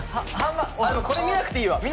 これ見なくていいわ！